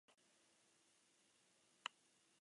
Azkenik, argia eta nahasmendu bipolarraz arituko dira.